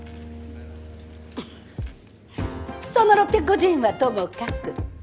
その６５０円はともかく